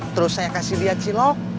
terus saya kasih lihat cilok